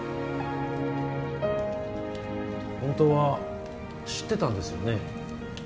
本当は知ってたんですよね